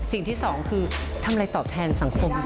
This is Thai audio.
สิ่งที่สองคือทำอะไรตอบแทนสังคม